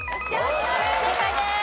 正解です。